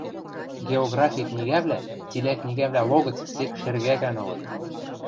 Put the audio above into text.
— Географи книгӓвлӓ цилӓ книгӓвлӓ логӹц сек шергӓкӓн ылыт.